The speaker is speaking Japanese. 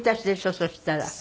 そしたら。